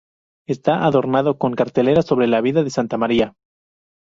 Está adornado con cartelas sobre la vida de Santa Marta.